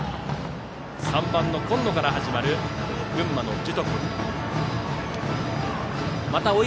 ３番の今野から始まる群馬の樹徳の攻撃。